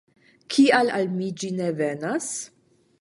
Kial al mi ĝi ne venas?